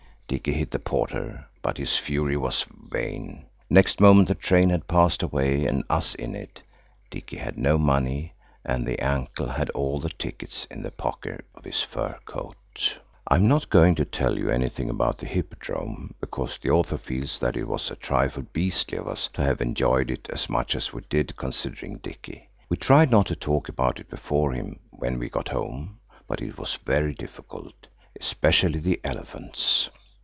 Dicky hit the porter, but his fury was vain. Next moment the train had passed away, and us in it. Dicky had no money, and the uncle had all the tickets in the pocket of his fur coat. I am not going to tell you anything about the Hippodrome because the author feels that it was a trifle beastly of us to have enjoyed it as much as we did considering Dicky. We tried not to talk about it before him when we got home, but it was very difficult–especially the elephants.